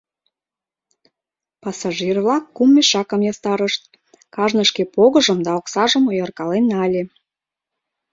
Пассажир-влак кум мешакым ястарышт, кажне шке погыжым да оксажым ойыркален нале.